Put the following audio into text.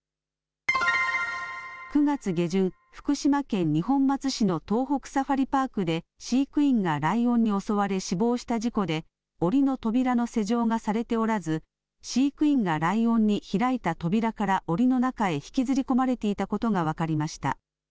９月下旬、福島県二本松市の東北サファリパークで、飼育員がライオンに襲われ、死亡した事故で、おりの扉の施錠がされておらず、飼育員がライオンに開いた扉からおりの中に引きずり込まれていたことが分かりました。